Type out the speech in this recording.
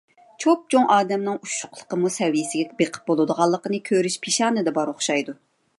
چوپچوڭ ئادەمنىڭ ئۇششۇقلۇقىمۇ سەۋىيسىگە بېقىپ بولىدىغانلىقىنى كۆرۈش پىشانىدە بار ئوخشايدۇ.